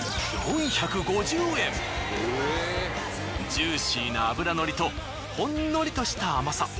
ジューシーな脂のりとほんのりとした甘さ。